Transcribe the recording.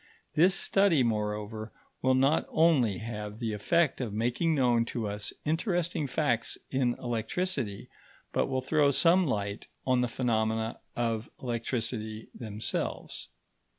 This study, moreover, will not only have the effect of making known to us interesting facts in electricity, but will throw some light on the phenomena of electricity themselves."